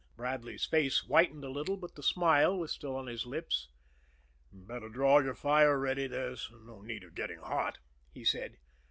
Bradley's face whitened a little, but the smile was still on his lips. "Better draw your fire, Reddy; there's no need of getting hot," he said.